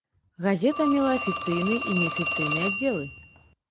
Газета мела афіцыйны і неафіцыйны аддзелы.